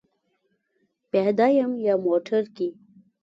پیاده یم یا موټر کې؟